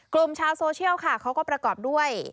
กลุ่มชาวโซเชียลค่ะเขาก็ประกอบด้วย